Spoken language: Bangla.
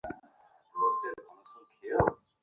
আরো কিছুকাল যায়।